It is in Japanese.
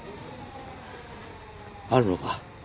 あるのか。